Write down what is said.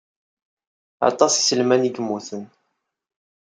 Aṭas n yiselman ay yemmuten.